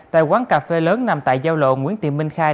tại quán cà phê lớn nằm tại giao lộ nguyễn tị minh khai